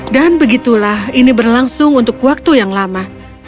dan begitulah ini berlangsung untuk waktu yang lama